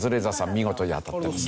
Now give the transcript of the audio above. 見事に当たってます。